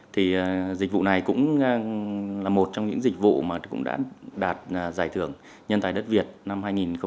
thì dịch vụ này cũng là một trong những dịch vụ mà cũng đã đạt giải thưởng nhân tài đất việt năm hai nghìn một mươi tám